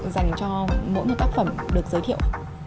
dành cho mỗi một tác phẩm được giới thiệu